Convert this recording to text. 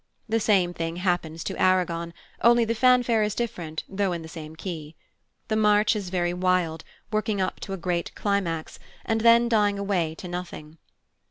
The same thing happens to Aragon, only the fanfare is different though in the same key. The march is very wild, working up to a great climax, and then dying away to nothing.